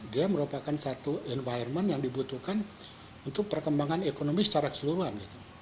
dia merupakan satu environment yang dibutuhkan untuk perkembangan ekonomi secara keseluruhan